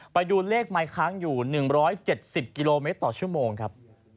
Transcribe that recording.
ไปดูเลขไม้ค้างอยู่๑๗๐กิโลเมตรต่อชั่วโมงครับ